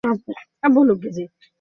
আমাদের পাগলা প্রিন্সিপালের চামচা সে।